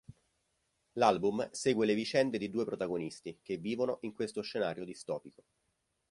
L'album segue le vicende di due protagonisti che vivono in questo scenario distopico.